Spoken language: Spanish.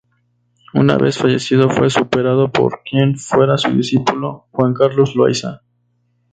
Una vez fallecido fue superado por quien fuera su discípulo, Juan Carlos Loaiza.